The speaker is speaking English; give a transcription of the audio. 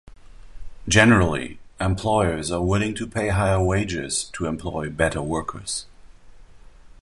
Generally, employers are willing to pay higher wages to employ better workers.